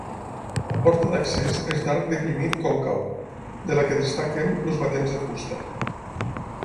La porta d'accés és d'arc deprimit còncau, de la que destaquen els batents de fusta.